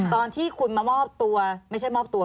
ตอนที่คุณมามอบตัวไม่ใช่มอบตัว